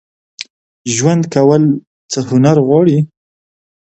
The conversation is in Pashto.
ژوند کول څه هنر غواړي؟